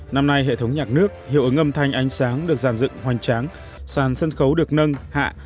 năm nay hệ thống nhạc nước hiệu ứng âm thanh ánh sáng được giàn dựng hoành tráng sàn sân khấu được nâng hạ